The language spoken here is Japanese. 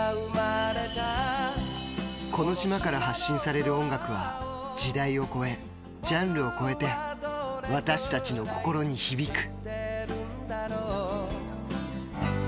この島から発信される音楽は時代を超え、ジャンルを超えて私たちの心に響く。